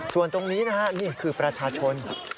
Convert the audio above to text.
ส่วนตรงนี้นะฮะนี่คือประชาชน